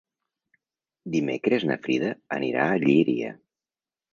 Dimecres na Frida anirà a Llíria.